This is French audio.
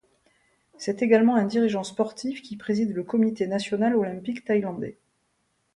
C'est également un dirigeant sportif qui préside le Comité national olympique thaïlandais.